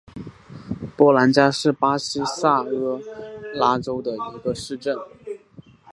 波兰加是巴西塞阿拉州的一个市镇。